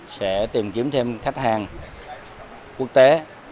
sẽ tìm kiếm thêm khách hàng quốc tế